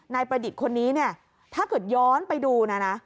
ประดิษฐ์คนนี้เนี่ยถ้าเกิดย้อนไปดูนะนะ